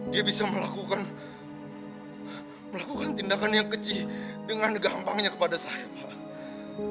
dia bisa melakukan tindakan yang kecil dengan gampangnya kepada saya pak